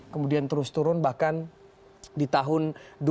kemudian terus turun bahkan di tahun